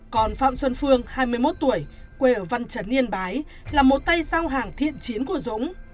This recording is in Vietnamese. còn phạm xuân phương hai mươi một tuổi quê ở văn chấn yên bái là một tay giao hàng thiện chiến của dũng